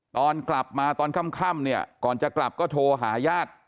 ตอนกลับมาตอนค่ำเนี่ยก่อนจะกลับก็โทรหาญาติ